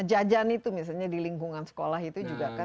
jajan itu misalnya di lingkungan sekolah itu juga kan